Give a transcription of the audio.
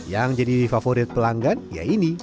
yang jadi favorit pelanggan ya ini